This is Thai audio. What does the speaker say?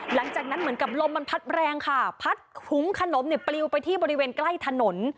หลังจากนั้นเหมือนกับลมมันพัดแรงค่ะพัดหุงขนมเนี่ยปลิวไปที่บริเวณใกล้ถนน